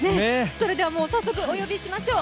それでは早速お呼びしましょう。